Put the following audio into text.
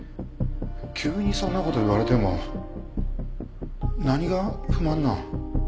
急にそんな事言われても。何が不満なん？